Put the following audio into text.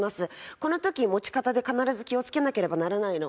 この時持ち方で必ず気を付けなければならないのは。